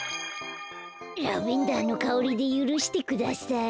ラベンダーのかおりでゆるしてください。